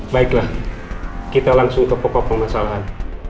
baiklah kita langsung ke pokok permasalahan